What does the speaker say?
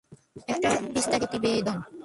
একটা বিস্তারিত প্রতিবেদন।